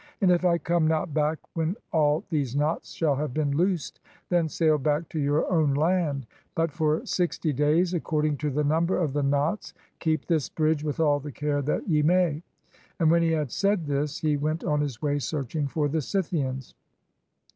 And if I come not back when all these knots shall have been loosed, then sail back to your own land ; but for sixty days, according to the number of the knots, 337 PERSIA keep this bridge with all the care that ye may." And when he had said this, he went on his way searching for the Scythians.